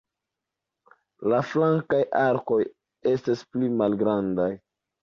La flankaj arkoj estas pli malgrandaj.